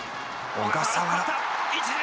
「小笠原！」